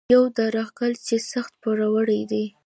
یو درغلګر چې سخت پوروړی دی.